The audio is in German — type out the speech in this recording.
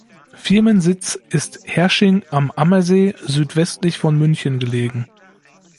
Firmensitz ist Herrsching am Ammersee, südwestlich von München gelegen.